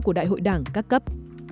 của đại hội đảng các cấp